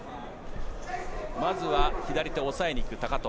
まずは左手を抑えに行く高藤。